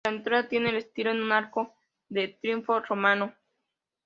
La entrada tiene el estilo de un arco de triunfo romano.